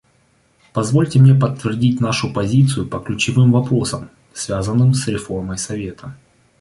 Позвольте мне подтвердить нашу позицию по ключевым вопросам, связанным с реформой Совета.